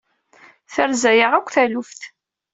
Terza-yaɣ akk taluft.